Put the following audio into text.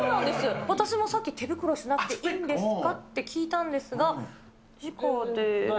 私もさっき手袋しなくていいんですか？って聞いたんですが、じかで。